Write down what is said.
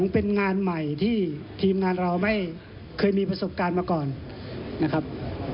เป็นงานใหม่ที่ทีมงานเราไม่เคยมีประสบการณ์มาก่อนนะครับ